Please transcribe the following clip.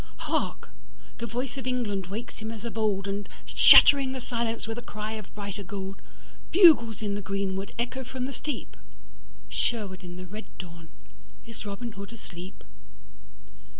Hark, the voice of England wakes him as of oldAnd, shattering the silence with a cry of brighter gold, Bugles in the greenwood echo from the steep, Sherwood in the red dawn, is Robin Hood asleep?